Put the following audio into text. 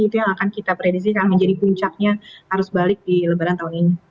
itu yang akan kita predisikan menjadi puncaknya harus balik di lebaran tahun ini